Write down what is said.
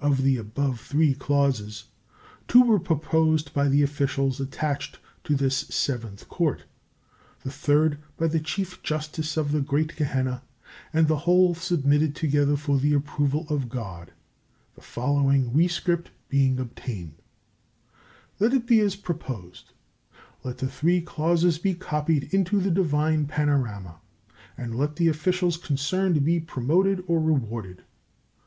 Of the above three clauses, two were proposed by the officials attached to this Seventh Court, the third by the Chief Justice of the great Gehenna, and the whole submitted together for the approval of God, the following Rescript being obtained: "Let it be as proposed; let the three clauses be copied into the Divine Panorama, and let the officials concerned be promoted or rewarded.